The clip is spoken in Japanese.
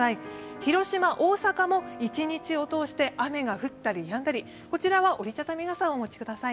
広島、大阪も一日を通して雨が降ったりやんだりこちらは折り畳み傘をお持ちください。